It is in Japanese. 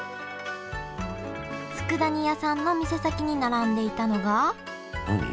つくだ煮屋さんの店先に並んでいたのが何？